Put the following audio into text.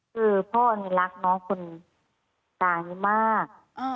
คือพ่ออันนี้รักน้องคุณตาอย่างนี้มาก